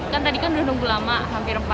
kan tadi kan udah nunggu lama hampir empat jam